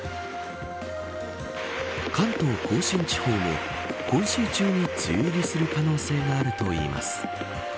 関東甲信地方も今週中に梅雨入りする可能性があるといいます。